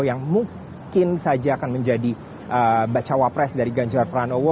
yang mungkin saja akan menjadi bacawa pres dari ganjar pranowo